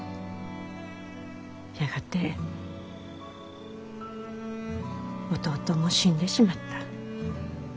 やがて弟も死んでしまった。